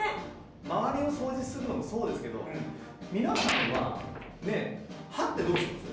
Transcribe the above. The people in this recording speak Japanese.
周りを掃除するのもそうですけど皆さんはねえ歯ってどうしてます？